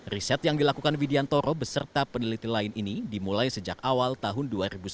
riset yang dilakukan widiantoro beserta peneliti lain ini dimulai sejak awal tahun dua ribu sembilan belas